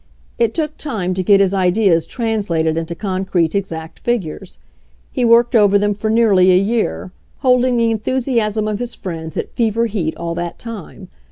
It took time to get his ideas translated into concrete, exact figures. He worked over them for nearly a year, holding the enthusiasm of his friends at fever heat all that time.